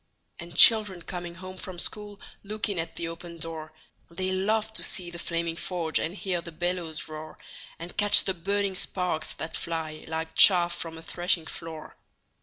And children coming home from school Look in at the open door; They love to see the flaming forge, And hear the bellows roar, And catch the burning sparks that fly Like chaff from a threshing floor.